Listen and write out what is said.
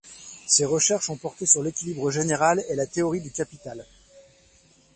Ses recherches ont porté sur l'équilibre général et la théorie du capital.